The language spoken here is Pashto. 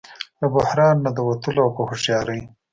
له بحران نه د وتلو او په هوښیارۍ